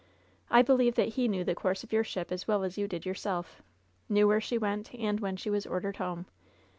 I believe that he knew the course of your ship as well as you did your self — ^knew where she went and when she was ordered home.